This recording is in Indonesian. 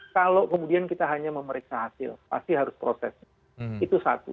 kalau kemudian kita hanya memeriksa hasil pasti harus proses itu satu